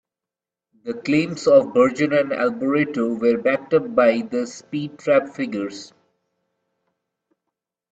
The claims of Berger and Alboreto were backed up by the speed trap figures.